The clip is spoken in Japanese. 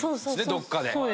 どっかで。